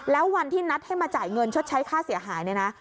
แล้ววันที่นัดให้มาจ่ายเงินชดใช้ค่าเสียหายเนี่ยนะ